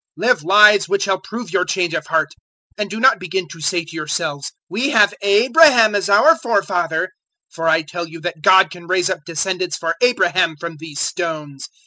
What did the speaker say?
003:008 Live lives which shall prove your change of heart; and do not begin to say to yourselves, `We have Abraham as our forefather,' for I tell you that God can raise up descendants for Abraham from these stones.